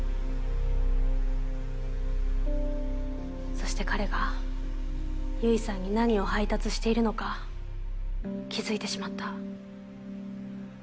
そして彼が結衣さんに何を配達しているのか気づいてしまった。